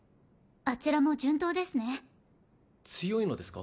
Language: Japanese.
あちらも順当ですね強いのですか？